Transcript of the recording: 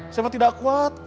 saya mah tidak kuat